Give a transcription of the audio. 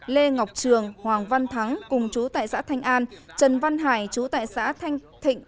lê ngọc trường hoàng văn thắng cùng chú tại xã thanh an trần văn hải chú tại xã thanh thịnh